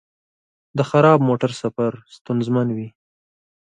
د خراب موټر سفر ستونزمن وي.